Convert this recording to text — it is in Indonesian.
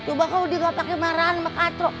coba kalo dia ga pake marahan sama katro